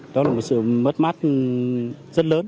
đó là một sự mất mát rất lớn